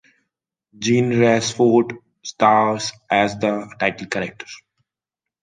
Jean Rochefort stars as the title character.